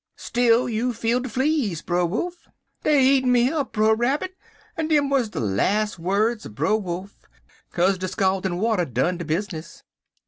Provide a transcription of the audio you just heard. "'Still you feels de fleas, Brer Wolf.' "'Dey er eatin' me up, Brer Rabbit,' en dem wuz de las words er Brer Wolf, kase de scaldin' water done de bizness.